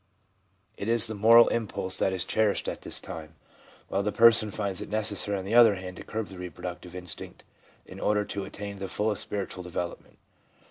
It is the moral impulse that is cherished at this time, while the person finds it necessary, on the other hand, to curb the reproductive instinct in order to attain the fullest VIEW OF THE LINE OF RELIGIOUS GROWTH 405 spiritual development.